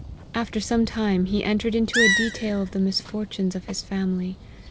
After some time, he en tered into a detail of the misfortunes of his family.